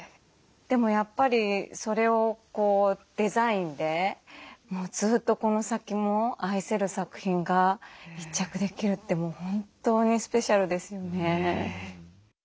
でもやっぱりそれをこうデザインでもうずっとこの先も愛せる作品が一着できるってもう本当にスペシャルですよね。